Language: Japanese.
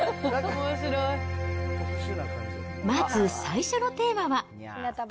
まず最初のテーマは。